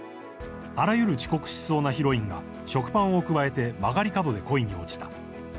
あらゆる遅刻しそうなヒロインが、食パンをくわえて、曲がり角で恋に落ちた。